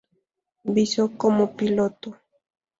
Viso como piloto.